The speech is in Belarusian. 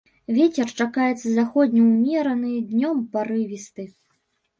Вецер чакаецца заходні ўмераны, днём парывісты.